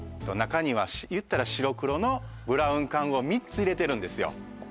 中にはいったら白黒のブラウン管を３つ入れてるんですよ